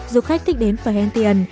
du khách thích đến perhentian